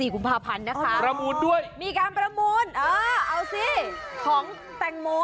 ๑๔กุมภาพันธ์นะคะมีการประมูลเอาสิของแตงโม